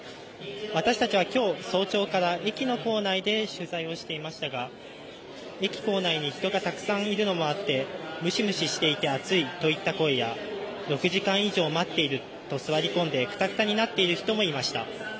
私たちは今日、早朝から駅の構内で取材をしていましたが、駅構内に人がたくさんいるのもあってムシムシしていて暑いという声や６時間以上待っていると座り込んでくたくたになっている人もいました。